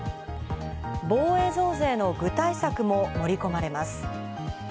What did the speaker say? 防衛増税の具体策も盛り込まれます。